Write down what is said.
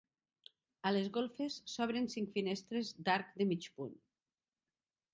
A les golfes s'obren cinc finestres d'arc de mig punt.